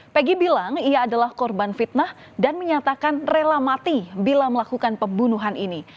peggy bilang ia adalah korban fitnah dan menyatakan rela mati bila melakukan pembunuhan ini